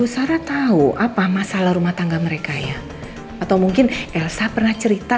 sampai jumpa di video selanjutnya